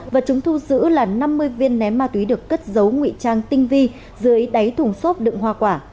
vật chúng thu giữ là năm mươi viên ném ma túy được cất giấu nguy trang tinh vi dưới đáy thùng xốp đựng hoa quả